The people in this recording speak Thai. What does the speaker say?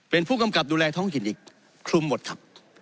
เป็นผู้กำกับดูแลท้องถิ่นอีกคลุมหมดครับ